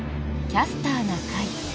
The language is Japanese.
「キャスターな会」。